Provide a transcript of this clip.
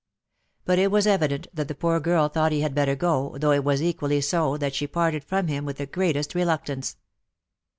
But it was evident that the poor girl thought he had better go, though it was equally so that she parted from him with the greatest reluctance.